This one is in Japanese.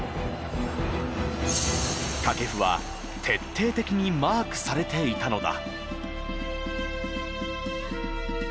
掛布は徹底的にマークされていたのだ。